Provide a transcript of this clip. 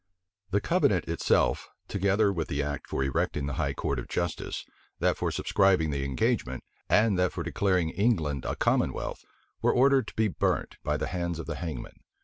The covenant itself, together with the act for erecting the high court of justice, that for subscribing the engagement, and that for declaring England a commonwealth, were ordered to be burnt by the hands of the hangman.